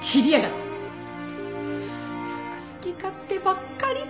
ったく！好き勝手ばっかり！